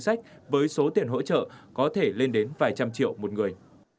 sách với số tiền hỗ trợ có thể lên đến vài trăm triệu một người